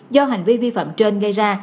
do hành vi vi phạm trên gây ra